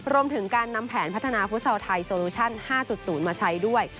รวมถึงการนำแผนพัฒนาฟุตซอลไทยโซโลชั่น๕๐มาใช้ด้วย